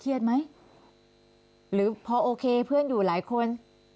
ไหมหรือพอโอเคเพื่อนอยู่หลายคน